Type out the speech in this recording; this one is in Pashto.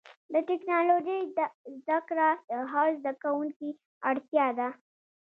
د ټکنالوجۍ زدهکړه د هر زدهکوونکي اړتیا ده.